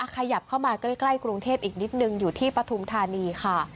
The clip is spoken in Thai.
ขยับเข้ามาใกล้กรุงเทพอีกนิดนึงอยู่ที่ปฐุมธานีค่ะ